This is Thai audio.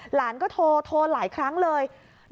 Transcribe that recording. หลานก็โทรหลายครั้งเลย